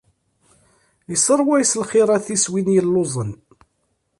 Isseṛway s lxirat-is win yelluẓen.